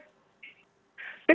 tips pertama yang saya inginkan